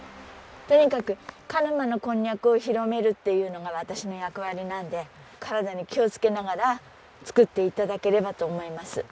とにかく鹿沼のこんにゃくを広めるっていうのが私の役割なんで体に気をつけながら作って頂ければと思います。